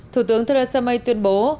thủ tướng theresa may tuyên bố